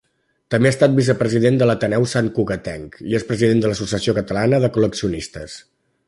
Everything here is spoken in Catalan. També ha estat vicepresident de l'Ateneu Santcugatenc i és president de l'Associació Catalana de Col·leccionistes.